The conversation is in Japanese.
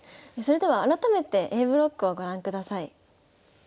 それでは改めてＡブロックをご覧ください。